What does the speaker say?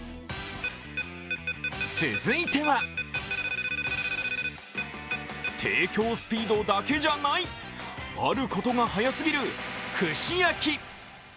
続いては提供スピードだけじゃないあることが速すぎる串焼き。